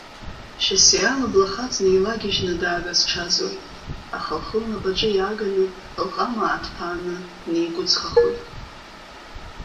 Шьасиа лыблахаҵ неилагьежьны даагаз-ҽазуеит, аха лхы лнапаҿы иааганы, лҟама ааҭԥааны днеигәыҵхахоит.